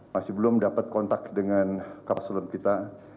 masih belum dapat kontak dengan kapaselum kita